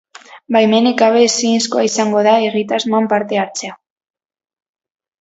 Baimenik gabe ezinezkoa izango da egitasmoan parte hartzea.